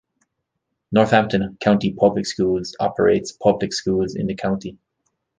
Northampton County Public Schools operates public schools in the county.